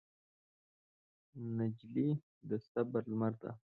نجلۍ د صبر لمر ده.